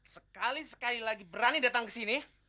sekali sekali lagi berani datang kesini